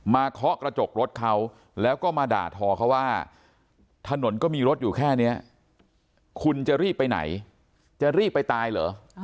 เคาะกระจกรถเขาแล้วก็มาด่าทอเขาว่าถนนก็มีรถอยู่แค่นี้คุณจะรีบไปไหนจะรีบไปตายเหรอ